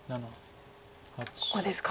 ここですか。